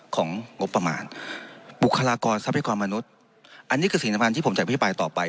ของงบประมาณบุคลากรทรัพยากรมนุษย์อันนี้คือสิ่งสำคัญที่ผมจะอภิปรายต่อไป